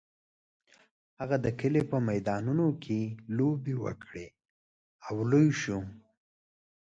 هغه د کلي په میدانونو کې لوبې وکړې او لوی شو.